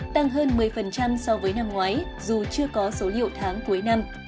tăng hơn một mươi so với năm ngoái dù chưa có số liệu tháng cuối năm